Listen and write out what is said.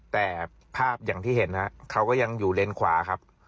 แต่ภาพอย่างที่เห็นฮะเขาก็ยังอยู่เลนขวาครับ